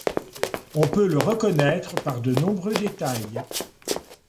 On peut le reconnaître par de nombreux détails.